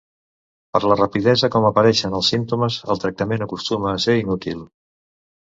Per la rapidesa com apareixen els símptomes el tractament acostuma a ser inútil.